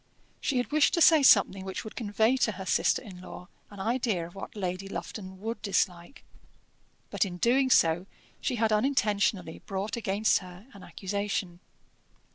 She had wished to say something which would convey to her sister in law an idea of what Lady Lufton would dislike; but in doing so, she had unintentionally brought against her an accusation.